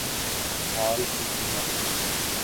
ڈھال کی قیمت